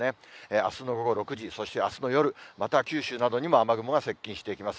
あすの午後６時、そしてあすの夜、また九州などにも雨雲が接近してきます。